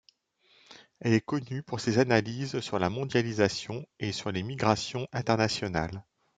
Elle est connue pour ses analyses sur la mondialisation et sur les migrations internationales.